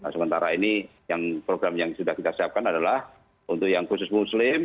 sementara ini program yang sudah kita siapkan adalah untuk yang khusus muslim